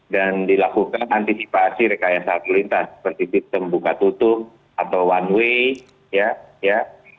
dan dilakukan antisipasi rekayasa lulintas seperti tembuka tutup atau one way ya